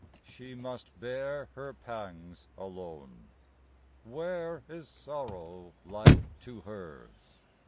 She must bear her pangs alone. Where is sorrow like to hers